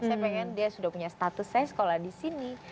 saya pengen dia sudah punya status saya sekolah disini